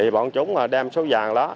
bọn chúng đem số vàng đó